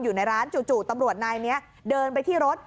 อยู่ในร้านจู่ตำรวจนายนี้เดินไปที่รถ